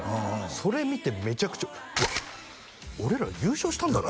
それ見てめちゃくちゃ「うわ俺ら優勝したんだな」